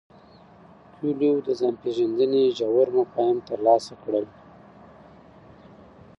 کویلیو د ځان پیژندنې ژور مفاهیم ترلاسه کړل.